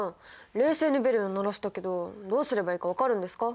冷静にベルを鳴らしたけどどうすればいいか分かるんですか？